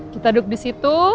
kita duduk di situ